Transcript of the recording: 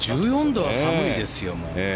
１４度は寒いですよ。